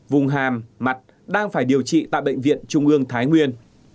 vùng hàm mặt đang phải điều trị tại bệnh viện trung ương thái nguyên